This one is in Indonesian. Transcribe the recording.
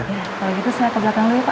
kalau gitu saya ke belakang dulu ya pak